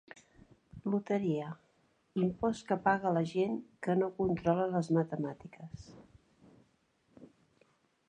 Loteria: impost que paga la gent que no controla les matemàtiques.